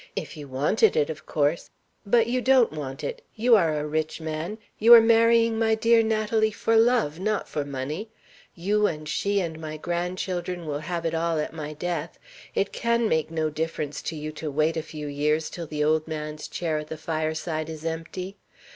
If you wanted it, of course but you don't want it. You are a rich man; you are marrying my dear Natalie for love, not for money. You and she and my grandchildren will have it all at my death. It can make no difference to you to wait a few years till the old man's chair at the fireside is empty.